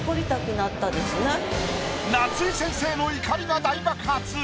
夏井先生の怒りが大爆発！